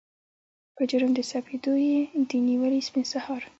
په جرم د سپېدو یې دي نیولي سپین سهار